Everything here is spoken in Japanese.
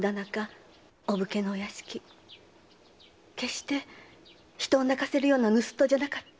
決して人を泣かせるような盗っ人じゃなかった。